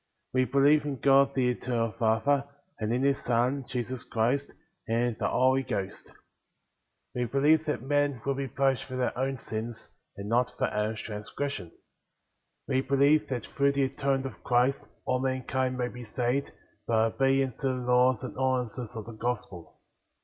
1. We believe in God, the Eternal Father, and in His Son, Jesus Christ, and in the Holy Ghost. 2. We believe that men will be punished for their own sins, and not for Adam^s transgression. 3. We believe that through the atonement of Christ, all mankind may be saved, by obedience to the laws and ordinances of the Gospel.